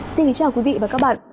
xin chào quý vị và các bạn